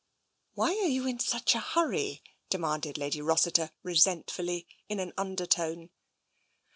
" Why are you in such a hurry? " demanded Lady .Rossiter resentfully, in an undertone.